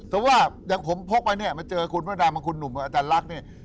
แต่ว่าอย่างผมพกไปเนี่ยมาเจอคุณพระดำมาคุณหนุ่มกับอาจารย์ลักษณ์เนี่ย